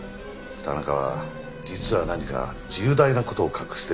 田中は実は何か重大な事を隠してるかもしれない。